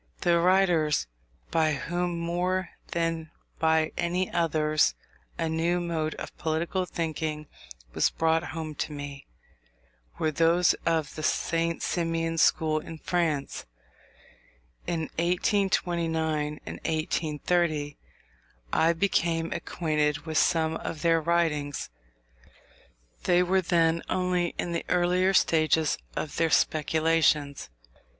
The writers by whom, more than by any others, a new mode of political thinking was brought home to me, were those of the St. Simonian school in France. In 1829 and 1830 I became acquainted with some of their writings. They were then only in the earlier stages of their speculations.